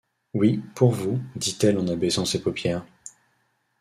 Oui, pour vous, dit-elle en abaissant ses paupières.